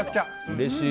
うれしい。